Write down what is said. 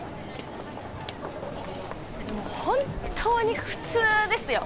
本当に普通ですよ